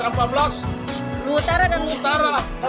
keluar utara dan keluar utara